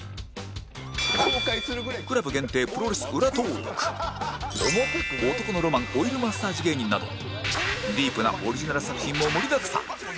ＣＬＵＢ 限定プロレス裏トーーク男のロマンオイルマッサージ芸人などディープなオリジナル作品も盛りだくさん